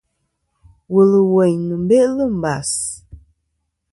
Wùl ɨ̀ wèyn nɨ̀n beʼlɨ̂ mbàs.